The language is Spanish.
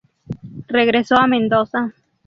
Regresó a Mendoza.